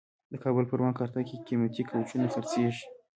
د کابل پروان کارته کې قیمتي کوچونه خرڅېږي.